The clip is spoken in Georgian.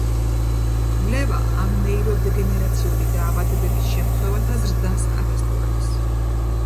კვლევა, ამ ნეიროდეგენერაციული დაავადებების შემთხვევათა ზრდას ადასტურებს.